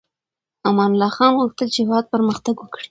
امان الله خان غوښتل چې هېواد پرمختګ وکړي.